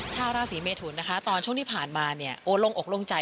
ชาวราศีเมทุนนะคะตอนช่วงที่ผ่านมาเนี่ยโอ้ลงอกลงใจ